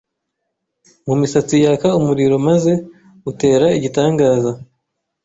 mumisatsi yaka umuriro maze utera igitangaza